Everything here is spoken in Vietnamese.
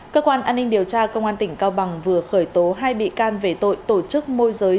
cơ quan an ninh điều tra công an tỉnh cao bằng vừa khởi tố hai bị can về tội tổ chức môi giới